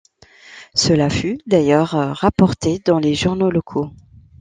Cela fut d'ailleurs rapporté dans les journaux locaux.